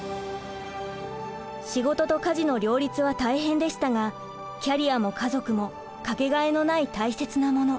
仕事と家事の両立は大変でしたがキャリアも家族もかけがえのない大切なもの。